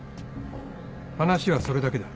話はそれだけだ。